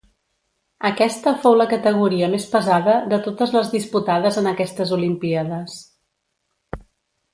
Aquesta fou la categoria més pesada de totes les disputades en aquestes olimpíades.